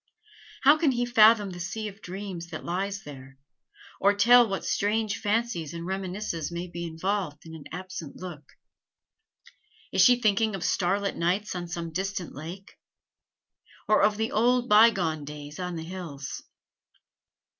How can he fathom the sea of dreams that lies there, or tell what strange fancies and reminiscences may be involved in an absent look? Is she thinking of starlit nights on some distant lake, or of the old bygone days on the hills?